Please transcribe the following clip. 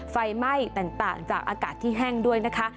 ไฟไหม้ต่างจากอากาศที่แห้งด้วยนะคะ